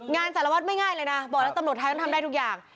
สารวัตรไม่ง่ายเลยนะบอกแล้วตำรวจไทยต้องทำได้ทุกอย่าง